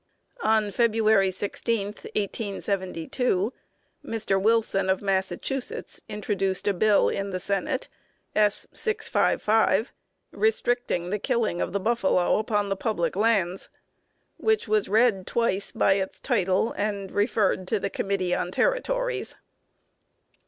On February 16, 1872, Mr. Wilson, of Massachusetts, introduced a bill in the Senate (S. 655) restricting the killing of the buffalo upon the public lauds; which was read twice by its title and referred to the Committee on Territories.